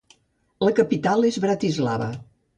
La capital és Bratislava.